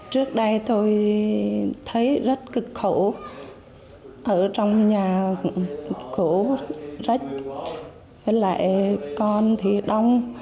trước đây tôi thấy rất cực khó